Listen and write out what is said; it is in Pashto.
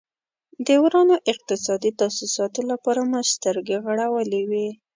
د ورانو اقتصادي تاسیساتو لپاره مو سترګې غړولې وې.